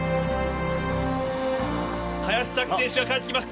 林咲希選手が帰ってきます。